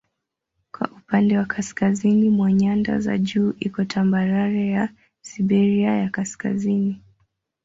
Kwa upande wa kaskazini mwa nyanda za juu iko tambarare ya Siberia ya Kaskazini.